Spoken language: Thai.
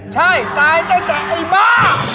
ใช่ตายตั้งแต่ไอ้บ้า